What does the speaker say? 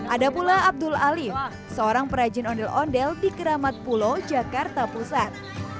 ada pula abdul alif seorang perajin ondel ondel di keramat pulo jakarta pusat